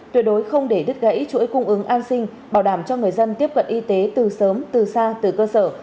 tuyệt đối không để đứt gãy chuỗi cung ứng an sinh bảo đảm cho người dân tiếp cận y tế từ sớm từ xa từ cơ sở